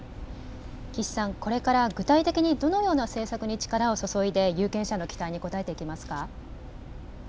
岸さん、これから具体的にどのような政策に力を注いで有権者の期待に応えていきますか。